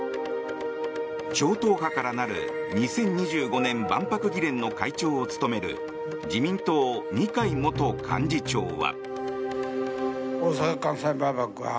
超党派から成る２０２５年万博議連の会長を務める自民党、二階元幹事長は。